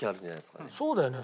そうだよね。